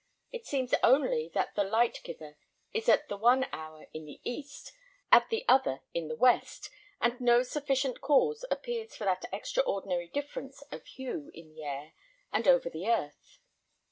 It seems only that the lightgiver is at the one hour in the east, at the other in the west, and no sufficient cause appears for that extraordinary difference of hue in the air and over the earth.